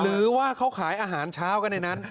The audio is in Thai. หรือว่าเขาขายอาหารเช้ากันในนั้น